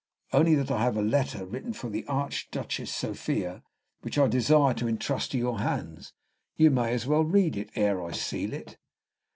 "Only that I have a letter written for the Archduchess Sophia, which I desire to intrust to your hands. You may as well read ere I seal it."